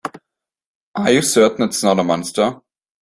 Are you certain it's not a monster?